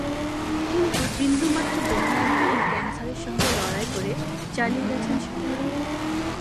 কিন্তু বিন্দুমাত্র দমে না গিয়ে ক্যানসারের সঙ্গে লড়াই করে চালিয়ে গেছেন সংগ্রাম।